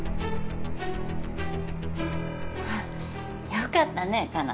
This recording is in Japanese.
よかったね花奈。